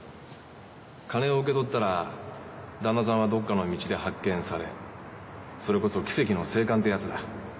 金を受け取ったら旦那さんはどっかの道で発見されそれこそ奇跡の生還ってやつだ。